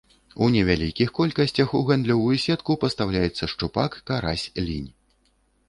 У невялікіх колькасцях у гандлёвую сетку пастаўляецца шчупак, карась, лінь.